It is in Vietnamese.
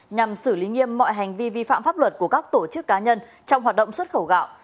nhằm xử lý nghiêm mọi hành vi vi phạm pháp luật của các tổ chức cá nhân trong hoạt động xuất khẩu gạo